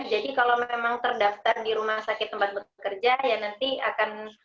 jadi kalau memang terdaftar di rumah sakit tempat bekerja ya nanti akan